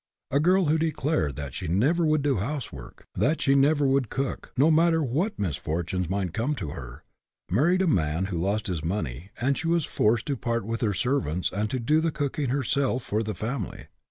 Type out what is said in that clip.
A girl who declared that she never would do housework; that she never would cook, no matter what misfortunes might come to her; married a man who lost his money, and she was forced to part with her servants and to do the cooking herself for the family.